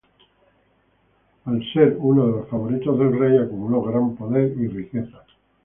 Al ser uno de los favoritos del rey, acumuló gran poder y riqueza.